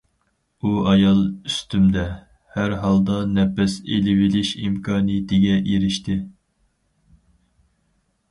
ئۇ ئايال ئۈستۈمدە، ھەر ھالدا نەپەس ئېلىۋېلىش ئىمكانىيىتىگە ئېرىشتى.